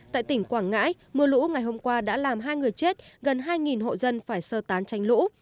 tại tỉnh quảng ngãi mưa lũ ngày hôm qua đã làm hai người chết gần hai hộ dân phải sơ tán tránh lũ